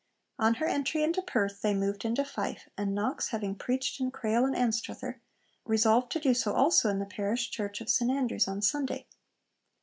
On her entry into Perth they moved into Fife, and Knox having preached in Crail and Anstruther, resolved to do so also in the Parish Church of St Andrews on Sunday.